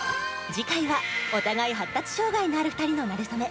次回は、お互い発達障害のある２人のなれ初め。